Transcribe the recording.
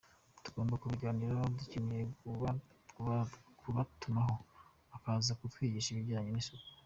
Tugomba kubigiraho, dukeneye kubatumaho bakaza kutwigisha ibijyanye n’isuku.